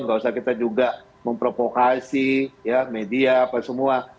nggak usah kita juga memprovokasi media apa semua